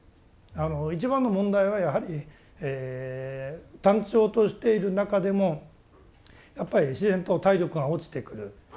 一番の問題はやはり単調としている中でもやっぱり自然と体力が落ちてくる。